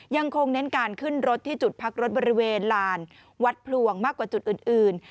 ยังคงเน้นการขึ้นรถที่จุดพักรถบริเวณลานวัดพลวงมากกว่าจุดอื่น